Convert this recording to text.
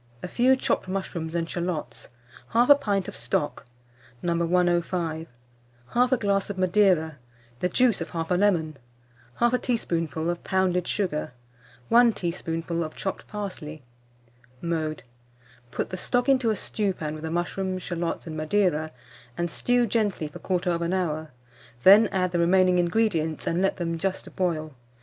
A few chopped mushrooms and shalots, 1/2 pint of stock, No. 105, 1/2 glass of Madeira, the juice of 1/2 lemon, 1/2 teaspoonful of pounded sugar, 1 teaspoonful of chopped parsley. Mode. Put the stock into a stewpan with the mushrooms, shalots, and Madeira, and stew gently for 1/4 hour, then add the remaining ingredients, and let them just boil.